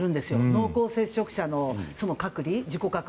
濃厚接触者の隔離が。